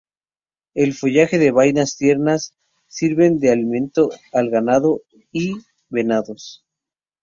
El follaje y vainas tiernas sirven de alimento al ganado y venados.